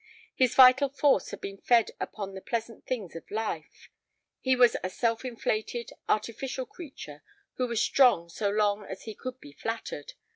His vital force had been fed upon the pleasant things of life; he was a self inflated, artificial creature, who was strong so long as he could be flattered.